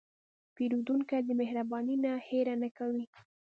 پیرودونکی د مهربانۍ نه هېره نه کوي.